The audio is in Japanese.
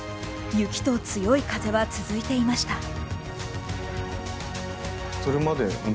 雪と強い風は続いていました。